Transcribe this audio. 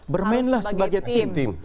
bermainlah sebagai tim